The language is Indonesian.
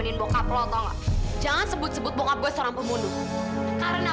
eh bukan lo aku bojong kirain